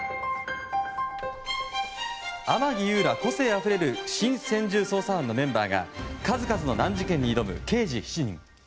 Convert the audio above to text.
天樹悠ら、個性あふれる新専従捜査班のメンバーが数々の難事件に挑む「刑事７人」。